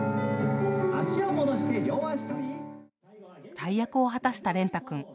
大役を果たした蓮汰君。